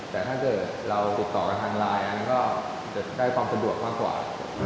แต่ถ้าเกิดเราติดต่อกันทางไลน์อันนั้นก็จะได้ความสะดวกมากกว่า